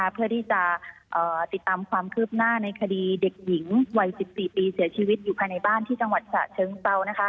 เพื่อที่จะติดตามความคืบหน้าในคดีเด็กหญิงวัย๑๔ปีเสียชีวิตอยู่ภายในบ้านที่จังหวัดฉะเชิงเศร้า